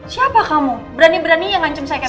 siapa kamu berani berani yang ngancum saya kembali